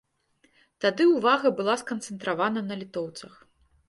Тады ўвага была сканцэнтравана на літоўцах.